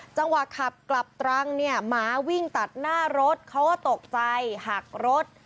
จังหวะขับกลับตรังเนี่ยหมาวิ่งตัดหน้ารถเขาก็ตกใจหักรถ